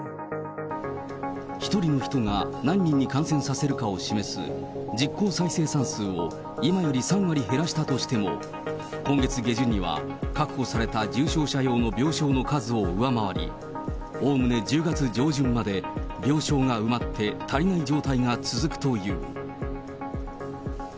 １人の人が何人に感染させるかを示す実効再生産数を今より３割減らしたとしても、今月下旬には確保された重症者用の病床の数を上回り、おおむね１０月上旬まで病床が埋まって、足りない状態が続くという。